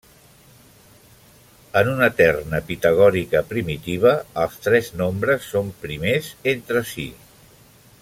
En una terna pitagòrica primitiva els tres nombres són primers entre si.